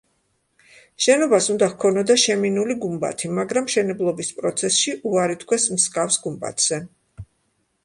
შენობას უნდა ჰქონოდა შემინული გუმბათი, მაგრამ მშენებლობის პროცესში უარი თქვეს მსგავს გუმბათზე.